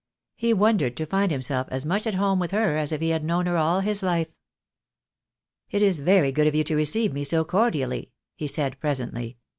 He wondered to find himself as much at home with her as if he had known her all his life. "It is very good of you to receive me so cordially," 256 THE DAY WILL COME. he said, presently.